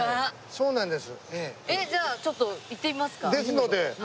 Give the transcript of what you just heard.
そうなんです。